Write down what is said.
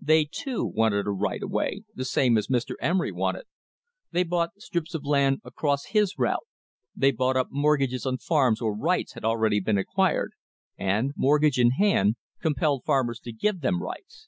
They, too, wanted a right of way, the same as Mr. Emery wanted. They bought strips of land across his route, they bought up mortgages on farms where rights had already been acquired, and, mortgage in hand, compelled farmers to give them rights.